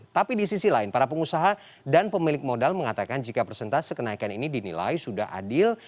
tapi di sisi lain para pengusaha dan pemilik modal mengatakan jika persentase kenaikan ini dinilai sudah adil